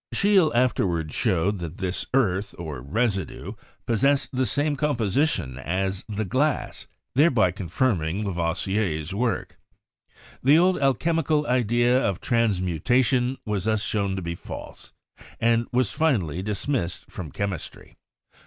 Scheele afterward showed that this 'earth,' or residue, possessed the same composition as the glass, thereby con firming Lavoisier's work. The old alchemical idea of transmutation was thus shown to be false, and was finally dismissed from chemistry.